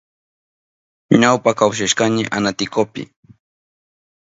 Ñawpa kawsashkani Anaticopi.